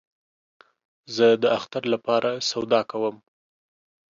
زه د اختر له پاره سودا کوم